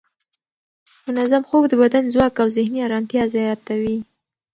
منظم خوب د بدن ځواک او ذهني ارامتیا زیاتوي.